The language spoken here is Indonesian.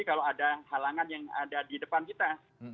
kalau ada halangan yang ada di depan kita